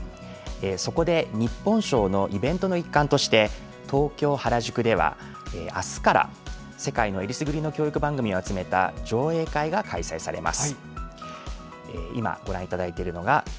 そこで日本賞のイベントの一環として東京・原宿では、あすから世界のえりすぐりの教育番組を集めた上映会が行われます。